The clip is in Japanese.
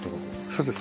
そうです。